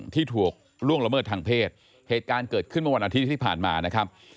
ที่ถูกล่วงละเมิดทางเพศเหตุการณ์เกิดขึ้นเมื่อวันอาทิตย์ที่ผ่านมานะครับ